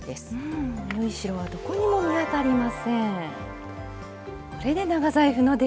縫い代はどこにも見当たりません。